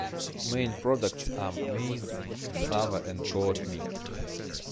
Main products are maize, cassava and goat meat.